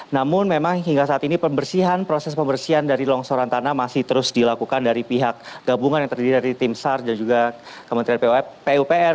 namun memang hingga saat ini pembersihan proses pembersihan dari longsoran tanah masih terus dilakukan dari pihak gabungan yang terdiri dari tim sar dan juga kementerian pupr